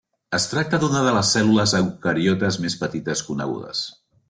Es tracta d'una de les cèl·lules eucariotes més petites conegudes.